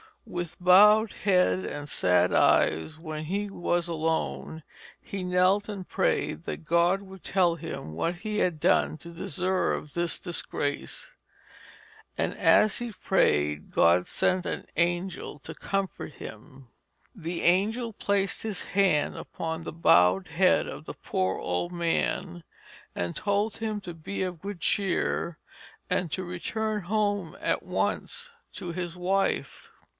With bowed head and sad eyes when he was alone, he knelt and prayed that God would tell him what he had done to deserve this disgrace. And as he prayed God sent an angel to comfort him. The angel placed his hand upon the bowed head of the poor old man, and told him to be of good cheer and to return home at once to his wife.